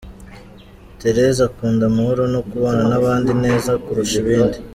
Therese akunda amahoro no kubana n’abandi neza kurusha ibindi.